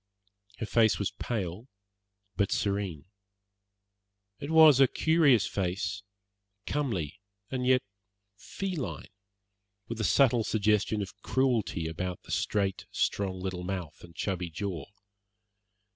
Her face was pale, but serene. It was a curious face, comely and yet feline, with a subtle suggestion of cruelty about the straight, strong little mouth and chubby jaw.